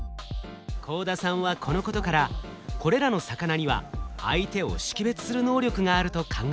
幸田さんはこのことからこれらの魚には相手を識別する能力があると考えました。